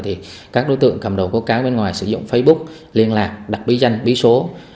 thì các đối tượng cầm đầu cố cáo bên ngoài sử dụng facebook liên lạc đặt bí danh bí số